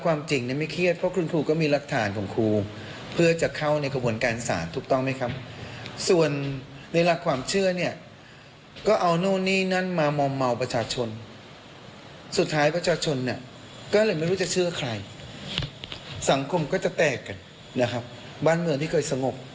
สิ่งที่ผ่านมาเนี่ยเกิดจากบุคคลแค่สองคนเอง